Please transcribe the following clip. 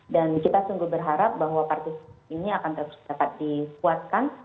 dan kita sungguh berharap bahwa partisipasi ini akan dapat disuatkan